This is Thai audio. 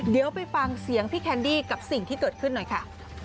เดี๋ยวไปฟังเสียงพี่แคนดี้กับสิ่งที่เกิดขึ้นหน่อยค่ะ